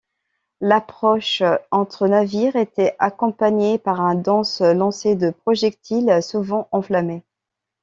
L'approche entre navires était accompagnée par un dense lancer de projectiles souvent enflammés.